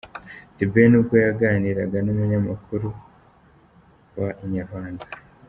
The Ben ubwo yaganiraga n'umunyamakuru wa Inyarwanda.